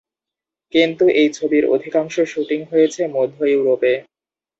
কিন্তু এই ছবির অধিকাংশ শ্যুটিং হয়েছে মধ্য ইউরোপে।